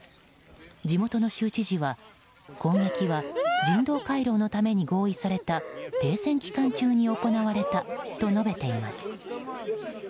地元の州知事は攻撃は人道回廊のために合意された、停戦期間中に行われたと述べています。